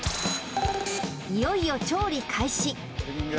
いよいよ調理開始